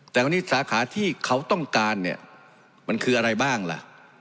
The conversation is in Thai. แต่วันนี้สาขาที่เขาต้องการเนี่ยมันคืออะไรบ้างล่ะ